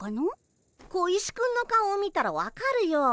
小石くんの顔を見たら分かるよ。